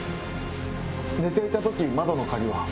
寝ていた時窓の鍵は？